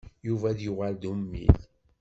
Yuba ad yuɣal d ummil.